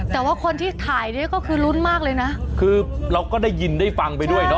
แต่ว่าคนที่ถ่ายนี่ก็คือลุ้นมากเลยนะคือเราก็ได้ยินได้ฟังไปด้วยเนอ